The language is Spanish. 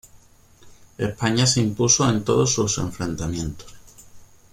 España se impuso en todos sus enfrentamientos.